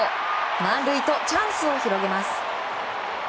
満塁と、チャンスを広げます。